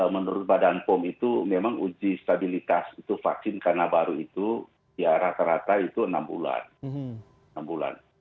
menurut badan pom itu memang uji stabilitas itu vaksin karena baru itu ya rata rata itu enam bulan